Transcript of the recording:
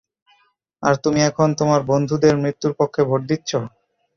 আর তুমি এখন তোমার বন্ধুদের মৃত্যুর পক্ষে ভোট দিচ্ছো।